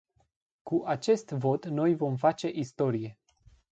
Cu acest vot noi vom face istorie.